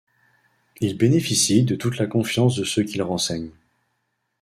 Il bénéficie de toute la confiance de ceux qu'il renseigne.